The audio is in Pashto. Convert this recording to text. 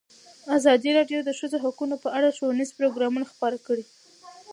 ازادي راډیو د د ښځو حقونه په اړه ښوونیز پروګرامونه خپاره کړي.